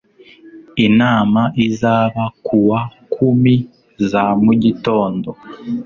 inama izaba kuwa kumi za mugitondo